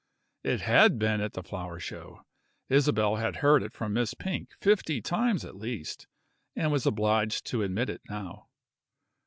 It had been at the flower show. Isabel had heard it from Miss Pink fifty times at least, and was obliged to admit it now.